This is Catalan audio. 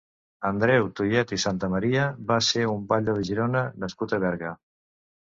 Andreu Tuyet i Santamaria va ser un batlle de Girona nascut a Berga.